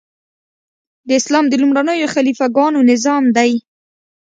د اسلام د لومړنیو خلیفه ګانو نظام دی.